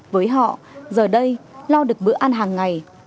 với họ giờ đây lo được bữa ăn hàng ngày